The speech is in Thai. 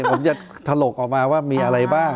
ผมจะถลกออกมาว่ามีอะไรบ้าง